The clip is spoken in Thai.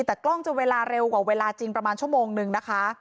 แต่กล้องจะเวลาเร็วกว่าเวลาจริงประมาณชั่วโมงนึงนะคะ